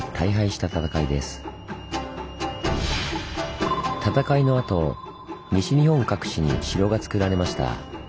戦いのあと西日本各地に城がつくられました。